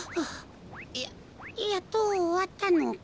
ややっとおわったのか？